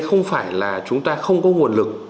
không phải là chúng ta không có nguồn lực